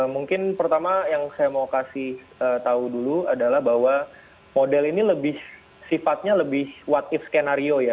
mungkin pertama yang saya mau kasih tahu dulu adalah bahwa model ini lebih sifatnya lebih what ip skenario ya